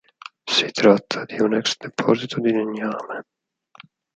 Si tratta un ex deposito di legname.